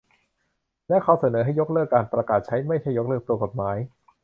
และเขาเสนอให้ยกเลิกการประกาศใช้ ไม่ใช่ยกเลิกตัวกฎหมาย